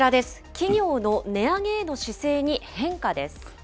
企業の値上げへの姿勢に変化です。